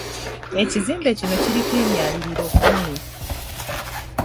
Ekizimbe kino kiriko emyaliriro kkumi.